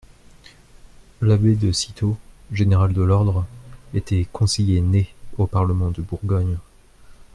L'abbé de Cîteaux, général de l'ordre, était conseiller-né au parlement de Bourgogne.